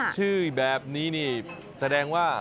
ชื่อแบบนี้นี่แสดงว่า